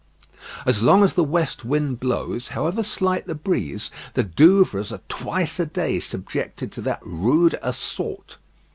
As long as the west wind blows, however slight the breeze, the Douvres are twice a day subjected to that rude assault.